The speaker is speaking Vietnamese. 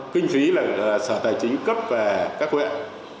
kinh phí là sở tài chính cấp và các huyện